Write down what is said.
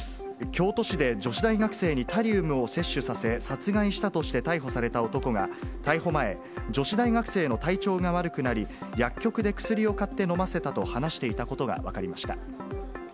京都市で女子大学生にタリウムを摂取させ、殺害したとして逮捕された男が、逮捕前、女子大学生の体調が悪くなり、薬局で薬を買って飲ませたと話していたことが分かりました。